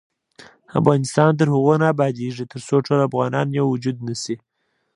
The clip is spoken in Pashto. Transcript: افغانستان تر هغو نه ابادیږي، ترڅو ټول افغانان یو وجود نشي.